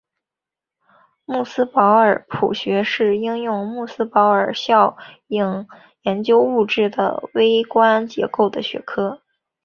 穆斯堡尔谱学是应用穆斯堡尔效应研究物质的微观结构的学科。